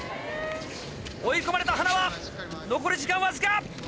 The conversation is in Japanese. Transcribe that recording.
追い込まれた塙残り時間わずか！